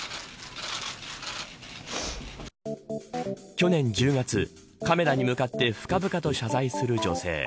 去年１０月カメラに向かって深々と謝罪する女性。